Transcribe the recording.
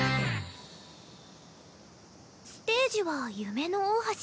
ステージは夢の大橋。